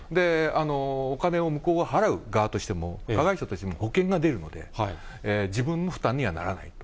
お金を向こうが、払う側としても、加害者としても保険が出るので、自分の負担にはならないと。